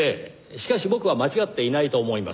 しかし僕は間違っていないと思います。